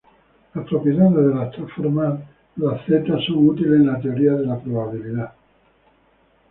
Las propiedades de las transformadas Z son útiles en la teoría de la probabilidad.